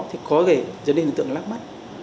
thì có thể dẫn đến hình tượng lắc mắt